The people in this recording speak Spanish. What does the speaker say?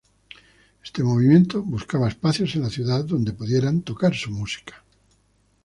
Este movimiento buscaba espacios en la ciudad donde pudieran tocar su música.